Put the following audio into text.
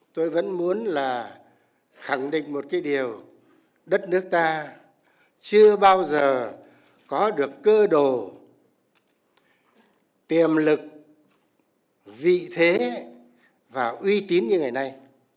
tôi vẫn muốn là khẳng định một cái điều đất nước ta chưa bao giờ có được cơ đồ tiềm lực vị thế và uy tín như ngày nay